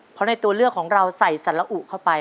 เพราะในตัวเลือกของเราใส่สรรอุเข้าไป